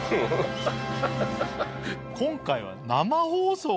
今回は。